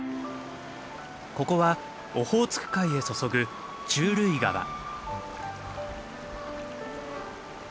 ここはオホーツク海へ注ぐ忠類川。